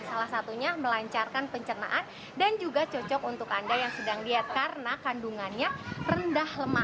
salah satunya melancarkan pencernaan dan juga cocok untuk anda yang sedang diet karena kandungannya rendah lemak